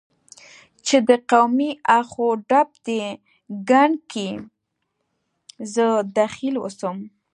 چې د قومي اخ و ډب دې ګند کې زه دخیل اوسم،